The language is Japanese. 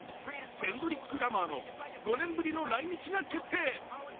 ケンドリック・ラマーの５年ぶりの来日が決定。